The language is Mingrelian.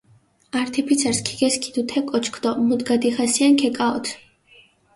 ართი ფიცარს ქიგესქიდუ თე კოჩქ დო მუდგა დიხასიენ გეკაჸოთჷ.